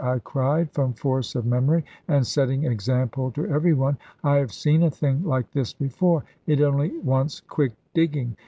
I cried, from force of memory, and setting example to every one; "I have seen a thing like this before; it only wants quick digging."